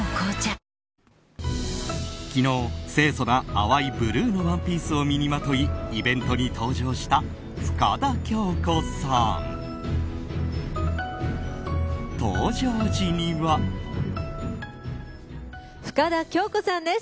昨日清楚な淡いブルーのワンピースを身にまとい、イベントに登場した深田恭子さん。